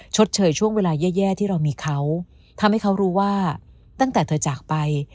ชดเชยช่วงเวลาแย่ที่เรามีเขาทำให้เขารู้ว่าตั้งแต่เธอจากไป